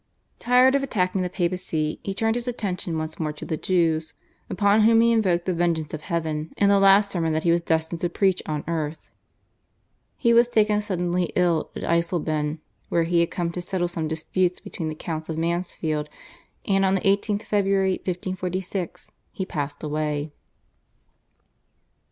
Tired of attacking the Papacy, he turned his attention once more to the Jews, upon whom he invoked the vengeance of Heaven in the last sermon that he was destined to preach on earth. He was taken suddenly ill in Eisleben, where he had come to settle some disputes between the Counts of Mansfeld, and on the 18th February 1546, he passed away.